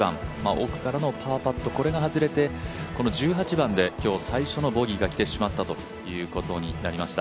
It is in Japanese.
奥からのパーパットこれが外れてこの１８番で今日、最初のホールでボギーが来てしまったということになりました。